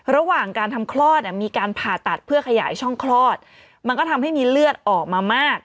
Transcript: ระหว่างการทำคลอดมีการผ่าตัดเพื่อขยายช่องคลอดมันก็ทำให้มีเลือดออกมามาก